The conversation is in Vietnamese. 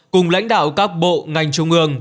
cùng lãnh đạo các bộ ngành trung ương